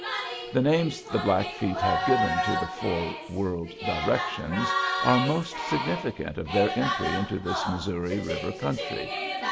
The names the Blackfeet have given to the four world directions are most significant of their entry into this Missouri River country.